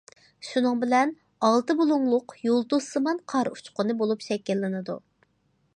شۇنىڭ بىلەن ئالتە بۇلۇڭلۇق يۇلتۇزسىمان قار ئۇچقۇنى بولۇپ شەكىللىنىدۇ.